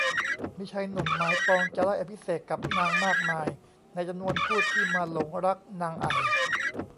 มีชายหนุ่มหมายปองจะได้อภิเษกกับนางมากมาย ในจำนวนผู้ที่มาหลงรักนางไอ่